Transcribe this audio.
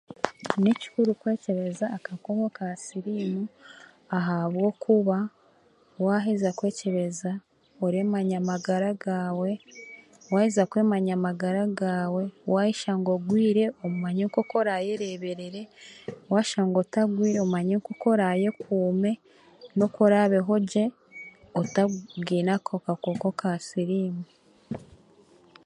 Ni kikuru kwekyebeza akakooko ka siriimu ahabwokuba waaheeza kwekyebeza oreemanya amagara gaawe, waaheza kwemanya amagara gaawe waayeshanga ogwire omanye nk'oku oraayereeberere waashanga otagwire omanye nk'oku orayeekuume n'oku oraabeho gye otabwine akakooko ka siriimu